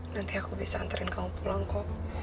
nanti aku bisa antarin kamu pulang kok